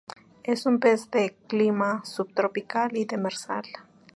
Es un pez de d clima subtropical y demersal.